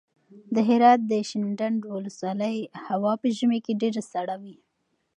د هرات د شینډنډ ولسوالۍ هوا په ژمي کې ډېره سړه وي.